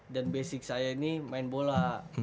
dan basic saya ini main bola